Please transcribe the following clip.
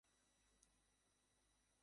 কী ভেবেছ তুমি, আমার কাছে আর কোনো প্রমাণ নেই?